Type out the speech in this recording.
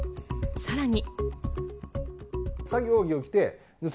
さらに。